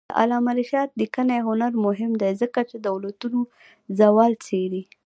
د علامه رشاد لیکنی هنر مهم دی ځکه چې دولتونو زوال څېړي.